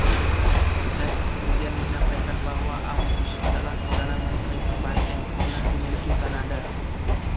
Reid kemudian menyampaikan bahwa Amborse adalah perdana menteri terbaik yang pernah dimiliki Kanada.